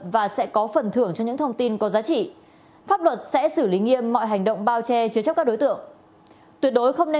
và có nơi có rông